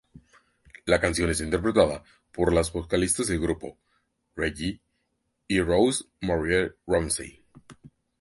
La canción es interpretada por las vocalistas del grupo, Reggie y Rose Marie Ramsey.